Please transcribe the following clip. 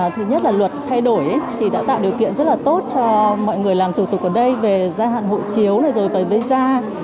thứ nhất là luật thay đổi thì đã tạo điều kiện rất là tốt cho mọi người làm thủ tục ở đây về gia hạn hộ chiếu này rồi về da